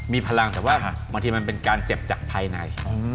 มีพลังแต่ว่าบางทีมันเป็นการเจ็บจากภายใน